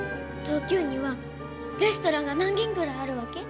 東京にはレストランが何軒ぐらいあるわけ？